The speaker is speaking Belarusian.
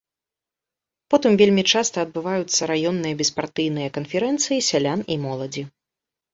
Потым вельмі часта адбываюцца раённыя беспартыйныя канферэнцыі сялян і моладзі.